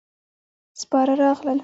سپاره راغلل.